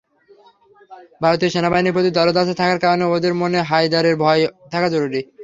ভারতীয় সেনাবাহিনীর প্রতি দরদ আছে থাকার কারণে, ওদের মনে হায়দারের ভয় থাকা জরুরী।